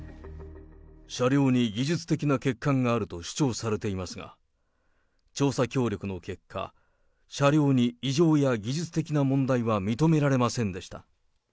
車両に技術的な欠陥があると主張されていますが、調査協力の結果、車両に異常や技術的な問題は認められませんでした。